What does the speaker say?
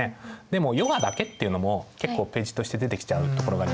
でもヨガだけっていうのも結構ページとして出てきちゃうところがありますね。